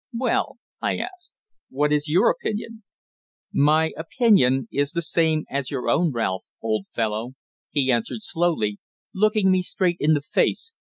"Well?" I asked. "What is your opinion?" "My opinion is the same as your own, Ralph, old fellow," he answered slowly, looking me straight in the face.